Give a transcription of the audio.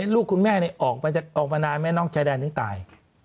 ลูกคุณแม่ออกมานานแม่นอกชายแดนถึงตาย